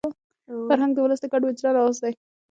فرهنګ د ولس د ګډ وجدان اواز دی.